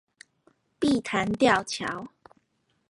碧潭吊橋